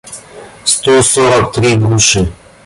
сто сорок три груши